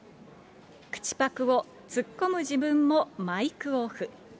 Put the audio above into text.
口パクをツッコむ自分もマイクオフ。